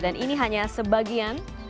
dan ini hanya sebagian